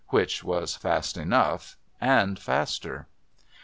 \\ Inch was fast enough, and faster. MR.